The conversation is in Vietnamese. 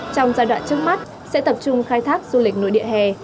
trong giai đoạn trước mắt sẽ tập trung khai thác du lịch nội địa hè